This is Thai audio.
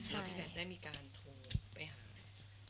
แล้วพี่เบนได้มีการโทรไปหาไหน